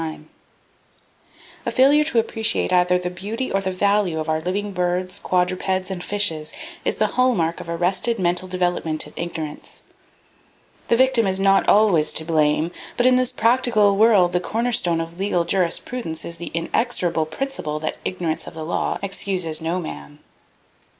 [Page 18] A failure to appreciate either the beauty or the value of our living birds, quadrupeds and fishes is the hall mark of arrested mental development and ignorance. The victim is not always to blame; but in this practical world the cornerstone of legal jurisprudence is the inexorable principle that "ignorance of the law excuses no man."